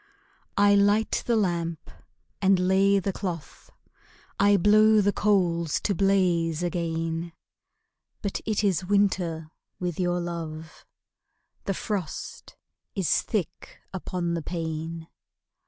I light the lamp and lay the cloth, I blow the coals to blaze again; But it is winter with your love, The frost is thick upon the pane.